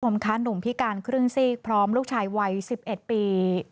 คุณผู้ชมคะหนุ่มพิการครึ่งซีกพร้อมลูกชายวัย๑๑ปี